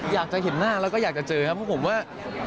อยากจะเห็นหน้าแล้วก็อยากจะเจอครับเพราะผมว่า